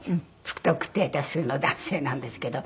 不特定多数の男性なんですけど。